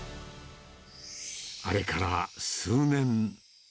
あれから数年。